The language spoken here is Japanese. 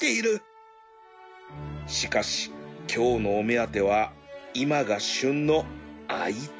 しかし今日のお目当ては今が旬のあいつ